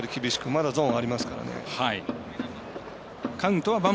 まだゾーンありますからね。